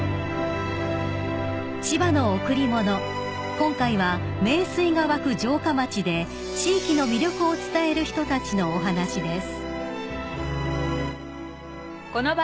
［今回は名水が湧く城下町で地域の魅力を伝える人たちのお話です］